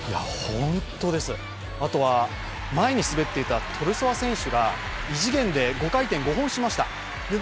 本当です、あとは前に滑っていたトルソワ選手が異次元で５回転、５本しました。